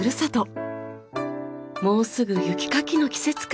もうすぐ雪かきの季節か。